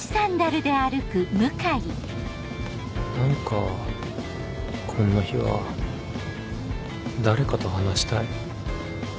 何かこんな日は誰かと話したい